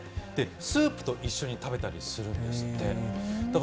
スープと一緒に食べたりするんですって。